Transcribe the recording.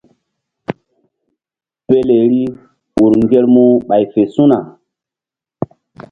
Peleri ur ŋgermu ɓay fe su̧na.